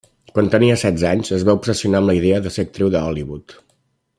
Quan tenia setze anys es va obsessionar amb la idea de ser actriu de Hollywood.